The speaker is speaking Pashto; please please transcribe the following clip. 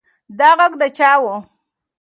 دا غږ د چا و؟